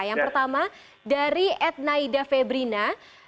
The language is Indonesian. yang pertama dari ednaida febrina